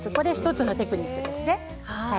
１つのテクニックですね。